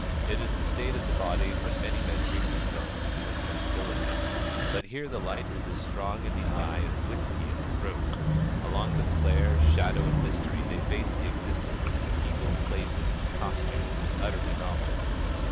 It is the state of the body when many men drink themselves into insensibility. But here the light is as strong in the eye as whiskey in the throat. Along with the flare, shadow, and mystery, they face the existence of people, places, costumes, utterly novel.